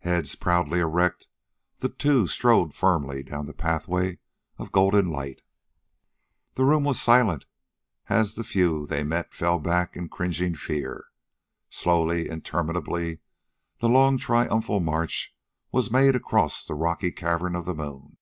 Heads proudly erect, the two strode firmly down the pathway of golden light. The room was silent as the few they met fell back in cringing fear. Slowly, interminably, the long triumphal march was made across the rocky cavern of the moon.